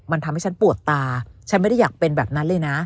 มันทำให้ฉันปวดตาฉันไม่ได้อยากเป็นแบบนั้นเลยนะ